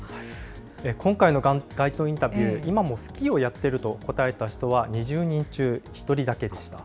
今回の街頭インタビュー、今もスキーをやっていると答えた人は２０人中１人だけでした。